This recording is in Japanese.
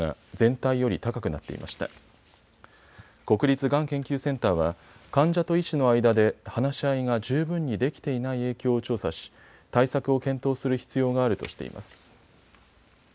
国立がん研究センターは患者と医師の間で話し合いが十分にできていない影響を調査し対策を検討する必要があるとしています。